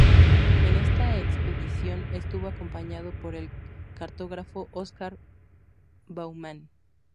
En esta expedición, estuvo acompañado por el cartógrafo Oscar Baumann.